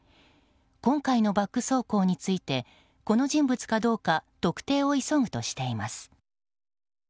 今回のバック走行についてこの人物かどうか特定を急ぐとしています。